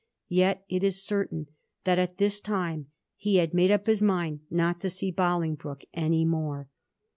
Yet it is certain that at this time he had made up his mind not to see Bolingbroke any more.